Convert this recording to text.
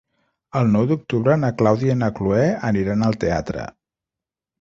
El nou d'octubre na Clàudia i na Cloè aniran al teatre.